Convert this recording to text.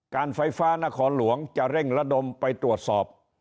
การไฟฟ้านครหลวงจะเร่งระดมไปตรวจสอบ